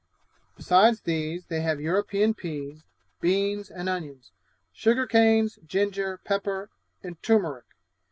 Besides these they have European peas, beans, and onions; sugar canes, ginger, pepper, and turmeric.